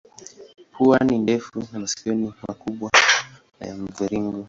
Pua ni ndefu na masikio ni makubwa na ya mviringo.